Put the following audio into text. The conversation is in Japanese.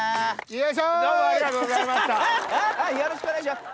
よろしくお願いします。